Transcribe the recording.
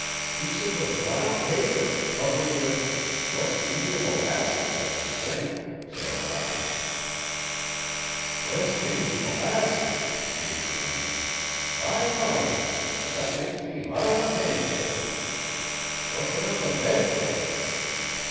'Pieces of brown paper, covered with West India molasses, I should think,' said I. 'West Injy molasses!' he exclaimed. 'By mighty! That makes me hotter'n a pancake. What's it on the bed fer?'